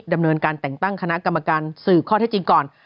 ดำเนินการแต่งตั้งคณะกรรมการสืบข้อเท็จจริงก่อน